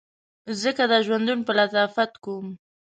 ځکه دا ژوندون په لطافت کوم